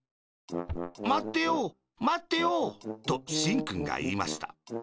「まってよまってよ」としんくんがいいました。